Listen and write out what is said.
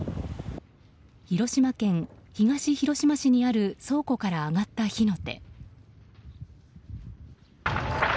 広島県東広島市にある倉庫から上がった火の手。